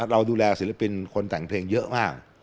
เราดูแลศิลปินคนแต่งเพลงเยอะมาก